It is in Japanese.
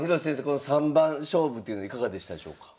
この三番勝負っていうのいかがでしたでしょうか。